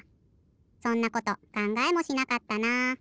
そんなことかんがえもしなかったな。